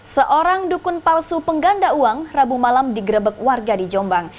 seorang dukun palsu pengganda uang rabu malam digrebek warga di jombang